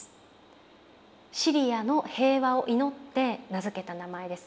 シリアの平和を祈って名付けた名前です。